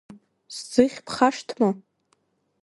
Сӡыхь бхашҭма?